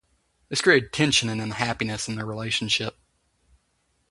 This created tension and unhappiness in their relationship.